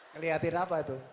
ngeliatin apa itu